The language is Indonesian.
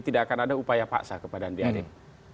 tidak akan ada upaya paksa kepada andi arief